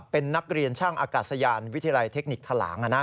เป็นนักเรียนช่างอากาศยานวิทยาลัยเทคนิคทะลาง